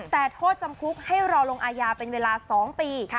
แต่โทษจำคุกให้รอลงอาญาเป็นเวลา๒ปี